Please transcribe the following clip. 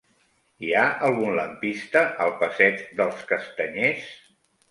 Hi ha algun lampista al passeig dels Castanyers?